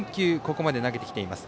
ここまで投げてきています。